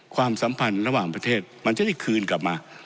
ความสัมพันธ์ระหว่างประเทศมันจะได้คืนกลับมา